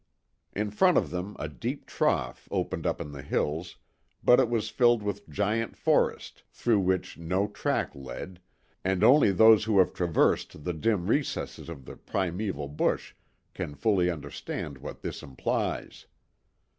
In front of them a deep trough opened up in the hills, but it was filled with giant forest, through which no track led, and only those who have traversed the dim recesses of the primeval bush can fully understand what this implies.